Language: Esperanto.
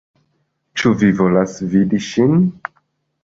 Ĉu vi volas vidi ŝin?